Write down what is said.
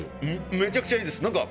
めちゃくちゃいいです。